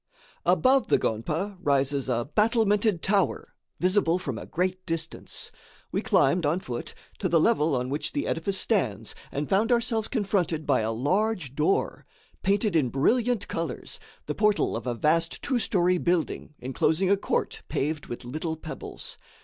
Above the gonpa rises a battlemented tower, visible from a great distance. We climbed, on foot, to the level on which the edifice stands and found ourselves confronted by a large door, painted in brilliant colors, the portal of a vast two story building enclosing a court paved with little pebbles.